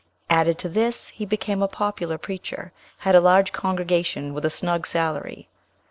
Added to this, he became a popular preacher, had a large congregation with a snug salary.